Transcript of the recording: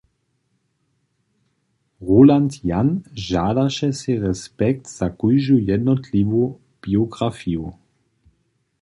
Roland Jahn žadaše sej respekt za kóždu jednotliwu biografiju.